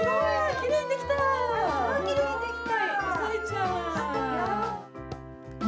きれいにできた！